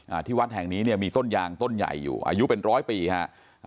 ที่วัดแห่งนี้เนี่ยมีต้นยางต้นใหญ่อยู่อายุเป็นร้อยปีฮะอ่า